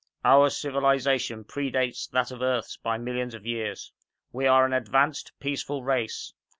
_... Our civilization predates that of Earth's by millions of years. We are an advanced, peaceful race.